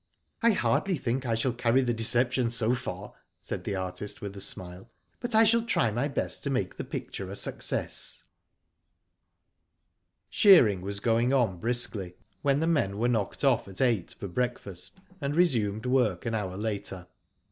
'* I hardly think I shall carry the deception so far," said the artist with a smile, but I shall try my best to make the picture a success." Digitized byGoogk IN THE SHED. 127 Shearing was going on briskly, when the men were knocked off at eight for breakfast, and re sumed work an hour later.